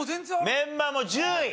メンマも１０位。